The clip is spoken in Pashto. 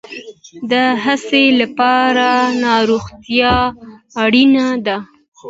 د هڅې لپاره روغتیا اړین ده